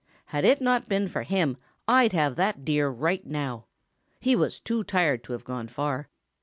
Had it not been for him, I'd have that Deer right now. He was too tired to have gone far.